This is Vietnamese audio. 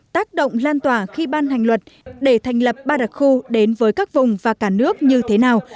tác động lan tỏa khi ban hành luật để thành lập ba đặc khu đến với các vùng và cả nước như thế nào